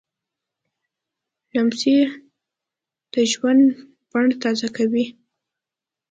لمسی د ژوند بڼ تازه کوي.